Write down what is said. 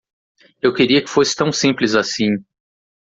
Eu queria que fosse tão simples assim.